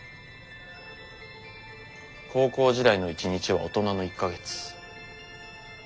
「高校時代の一日は大人の一か月」。